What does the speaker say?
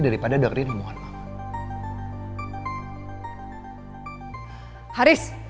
daripada dekri namunan mama